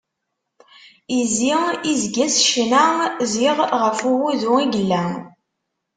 Izi izga s ccna, ziɣ ɣef ugudu i yella.